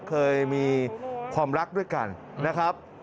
เคยมีความรักด้วยกันนะครับ